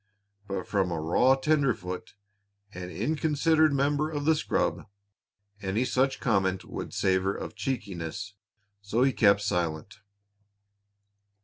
But from a raw tenderfoot and inconsidered member of the scrub any such comment would savor of cheekiness, so he kept silent.